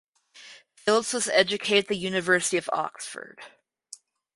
Phillips was educated at the University of Oxford.